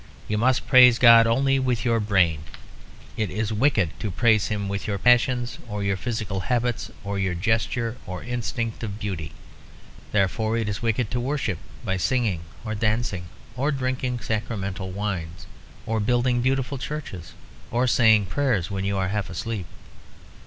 You must praise God only with your brain; it is wicked to praise Him with your passions or your physical habits or your gesture or instinct of beauty. Therefore it is wicked to worship by singing or dancing or drinking sacramental wines or building beautiful churches or saying prayers when you are half asleep.